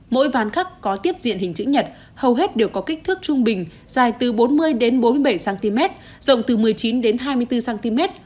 mỗi ván khắc có tiết diện hình chữ nhật hầu hết đều có kích thước trung bình dài từ bốn mươi bốn mươi bảy cm rộng từ một mươi chín đến hai mươi bốn cm